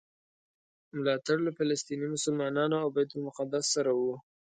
ملاتړ له فلسطیني مسلمانانو او بیت المقدس سره و.